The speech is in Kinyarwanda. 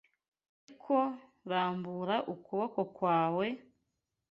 Ariko rambura ukuboko kwawe,